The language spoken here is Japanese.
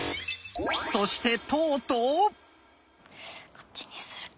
こっちにするか。